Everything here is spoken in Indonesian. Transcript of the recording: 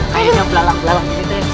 kayanya belalang belalang ini teh